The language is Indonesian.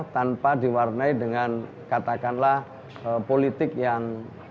tanpa diwarnai dengan katakanlah politik yang